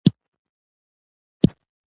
د وطن د ښا پیریو